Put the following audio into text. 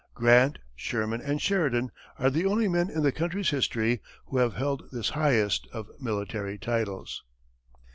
Grant, Sherman and Sheridan are the only men in the country's history who have held this highest of military titles.